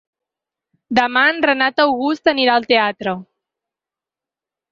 Demà en Renat August anirà al teatre.